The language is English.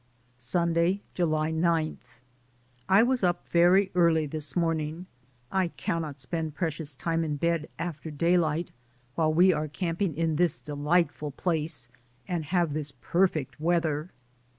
Sunday, July 9. I was up very early this morning; I can not spend precious time in bed after daylight while we are camping in this delightful place and have this perfect weather.